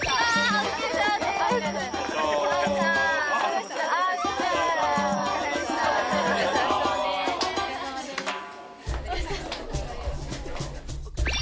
お疲れさまです